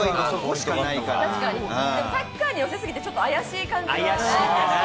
サッカーに寄せすぎて、ちょっと怪しい感じが。